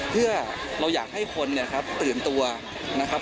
เพื่อเราอยากให้คนตื่นตัวนะครับ